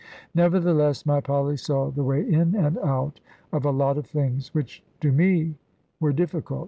Nevertheless my Polly saw the way in and out of a lot of things, which to me were difficult.